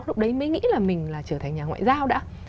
lúc đấy mới nghĩ là mình là trở thành nhà ngoại giao đã